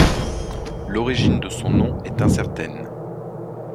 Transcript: L'origine de son nom est incertaine.